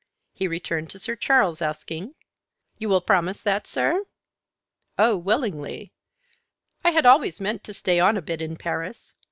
He returned to Sir Charles, asking, "You will promise that, sir?" "Oh, willingly. I had always meant to stay on a bit in Paris.